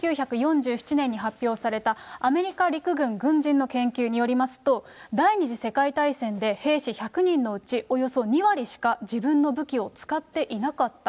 １９４７年に発表されたアメリカ陸軍軍人の研究によりますと、第２次世界大戦で兵士１００人のうち、およそ２割しか自分の武器を使っていなかった。